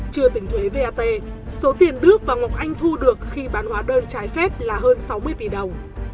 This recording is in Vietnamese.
chưa tính thuế vat số tiền đức và ngọc anh thu được khi bán hóa đơn trái phép là hơn sáu mươi tỷ đồng